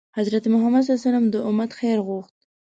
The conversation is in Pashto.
حضرت محمد ﷺ د امت خیر غوښت.